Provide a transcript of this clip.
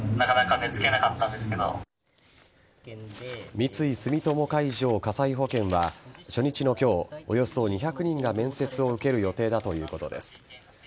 三井住友海上火災保険は初日の今日、およそ２００人が面接を受ける予定だということです。